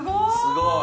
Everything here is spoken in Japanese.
すごい。